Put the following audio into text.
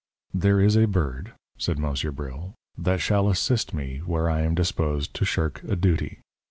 "There is a bird," said Monsieur Bril, "that shall assist me where I am disposed to shirk a duty.